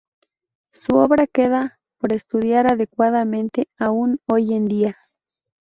Su obra queda por estudiar adecuadamente aún hoy en día.